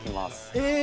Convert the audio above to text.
え！